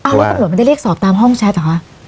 อ้าวแล้วก็หลวนมันได้เรียกสอบตามห้องแชทหรอ